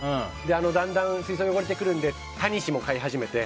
だんだん、水槽が汚れてくるのでタニシも飼い始めて。